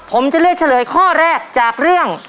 ผมจะเลือกเฉลยข้อแรกจากเรื่อง